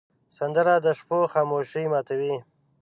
سندره د شپو خاموشي ماتوې